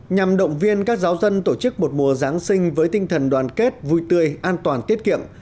nhằm động viên các giáo dân tổ chức một mùa giáng sinh với tinh thần đoàn kết vui tươi an toàn tiết kiệm